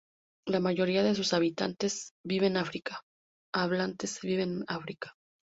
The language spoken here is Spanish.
La mayoría de sus hablantes vive en África.